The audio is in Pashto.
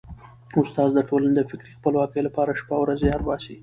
استاد د ټولني د فکري خپلواکۍ لپاره شپه او ورځ زیار باسي.